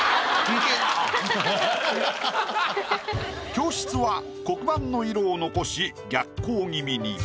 教室は黒板の色を残し逆光気味に。